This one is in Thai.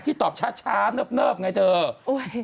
ที่ตอบช้าเนิบไงเถอะ